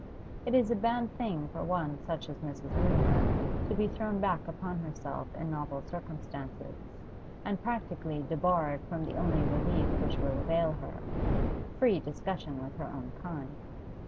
It is a bad thing for one such as Mrs. Mutimer to be thrown back upon herself in novel circumstances, and practically debarred from the only relief which will avail her free discussion with her own kind.